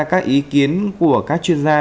các ý kiến của các chuyên gia